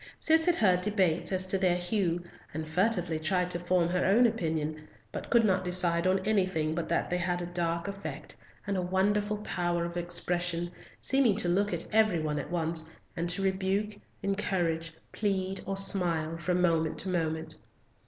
Cis had heard debates as to their hue, and furtively tried to form her own opinion, but could not decide on anything but that they had a dark effect, and a wonderful power of expression, seeming to look at every one at once, and to rebuke, encourage, plead, or smile, from moment to moment.